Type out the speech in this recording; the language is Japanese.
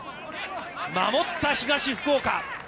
守った東福岡。